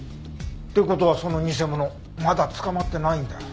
って事はその偽者まだ捕まってないんだ。